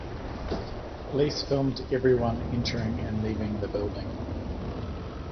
Police filmed everyone entering and leaving the building.